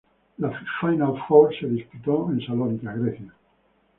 La Final Four se disputó en Salónica, Grecia.